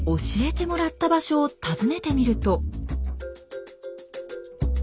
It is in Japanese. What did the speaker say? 教えてもらった場所を訪ねてみると。